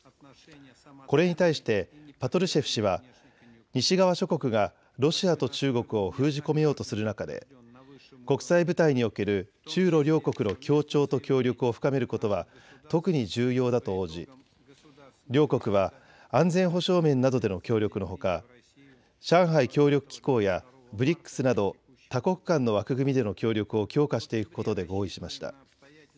これに対してパトルシェフ氏は西側諸国がロシアと中国を封じ込めようとする中で国際舞台における中ロ両国の協調と協力を深めることは特に重要だと応じ両国は安全保障面などでの協力のほか上海協力機構やＢＲＩＣＳなど多国間の枠組みでの協力を強化していくことで合意しました。